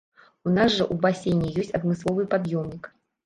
У нас жа ў басейне ёсць адмысловы пад'ёмнік.